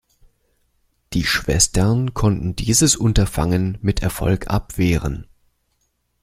Die Schwestern konnten dieses Unterfangen mit Erfolg abwehren.